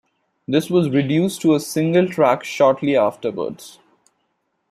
This was reduced to a single track shortly afterwards.